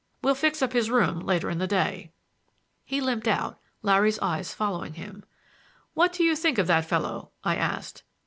We'll fix up his room later in the day" He limped out, Larry's eyes following him. "What do you think of that fellow?" I asked.